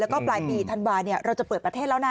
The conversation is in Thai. แล้วก็ปลายปีธันวาเราจะเปิดประเทศแล้วนะ